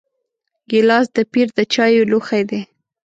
ګیلاس د پیر د چایو لوښی دی.